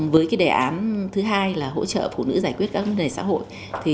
với đề án thứ hai là hỗ trợ phụ nữ giải quyết các vấn đề xã hội